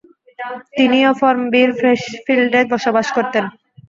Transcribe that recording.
তিনি ও ফর্মবির ফ্রেশফিল্ডে বসবাস করতেন।